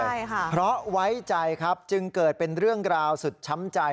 ใช่ค่ะเพราะไว้ใจครับจึงเกิดเป็นเรื่องราวสุดช้ำใจ